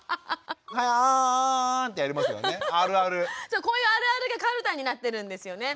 そうこういう「あるある」がカルタになってるんですよね。